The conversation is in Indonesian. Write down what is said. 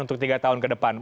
untuk tiga tahun kedepannya